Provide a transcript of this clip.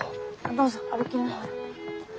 どうぞ歩きながら。